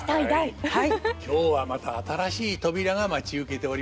今日はまた新しい扉が待ち受けておりますよ。